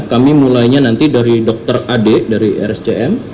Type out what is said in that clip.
kami mulainya nanti dari dokter ade dari rscm